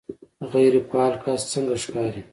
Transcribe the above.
غیر فعال کس څنګه ښکاري